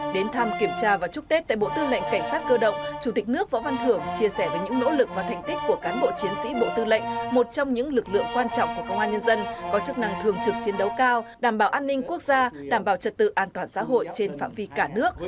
đến thăm kiểm tra và chúc tết tại bộ tư lệnh cảnh sát cơ động chủ tịch nước võ văn thưởng chia sẻ về những nỗ lực và thành tích của cán bộ chiến sĩ bộ tư lệnh một trong những lực lượng quan trọng của công an nhân dân có chức năng thường trực chiến đấu cao đảm bảo an ninh quốc gia đảm bảo trật tự an toàn xã hội trên phạm vi cả nước